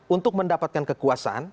untuk mendapatkan kekuasaan